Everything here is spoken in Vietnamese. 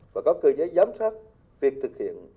và có cơ giới giám sát việc thực hiện